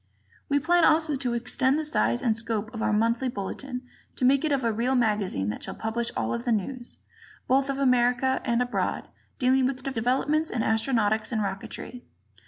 We plan also to extend the size and scope of our monthly Bulletin, to make of it a real magazine that shall publish all the news, both of America and abroad, dealing with developments in astronautics and rocketry.